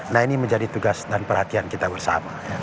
nah ini menjadi tugas dan perhatian kita bersama